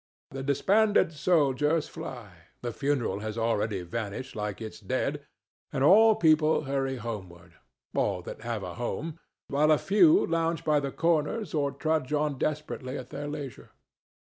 The disbanded soldiers fly, the funeral has already vanished like its dead, and all people hurry homeward—all that have a home—while a few lounge by the corners or trudge on desperately at their leisure.